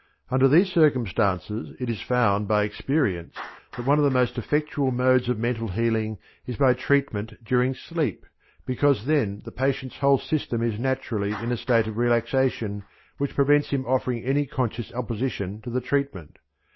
Under these circumstances it is found by experience that one of the most effectual modes of mental healing is by treatment during sleep, because then the patient's whole system is naturally in a state of relaxation which prevents him offering any conscious opposition to the treatment.